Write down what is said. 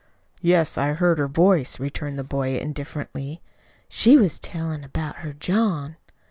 "Yes, I heard her voice," returned the boy indifferently. "She was tellin' about her John."